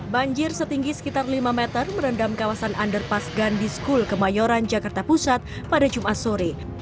banjir setinggi sekitar lima meter merendam kawasan underpass gandhi school kemayoran jakarta pusat pada jumat sore